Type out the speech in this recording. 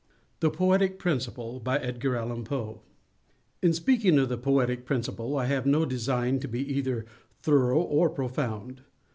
THE POETIC PRINCIPLE In speaking of the Poetic Principle, I have no design to be either thorough or profound.